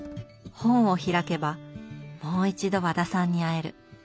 本を開けばもう一度和田さんに会える。